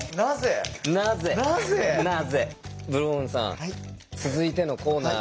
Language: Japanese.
ブルボンヌさん続いてのコーナー